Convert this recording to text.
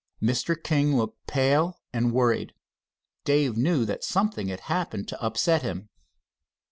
Mr. King looked pale and worried. Dave knew that something had happened to upset him.